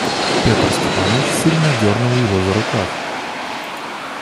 Петр Степанович сильно дернул его за рукав.